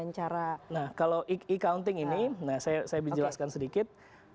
nah kalau e counting ini saya menjelaskan sedikit